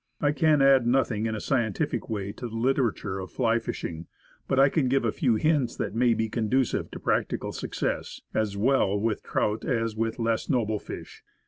I can add nothing in a scientific way to the litera ture of fly fishing; but I can give a few hints that may be conducive to practical success, as well with trout as with less noble fish.